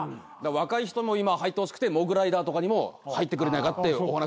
若い人も今入ってほしくてモグライダーとかにも入ってくれないかってお話しは。